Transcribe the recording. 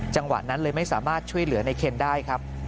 จังหวะนั้นเลยไม่สามารถช่วยเหลือในเคนได้ครับ